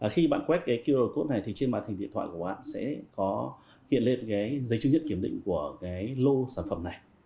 khi bạn quét cái qr code này thì trên màn hình điện thoại của bạn sẽ có hiện lên cái giấy chứng nhận kiểm định của cái lô sản phẩm này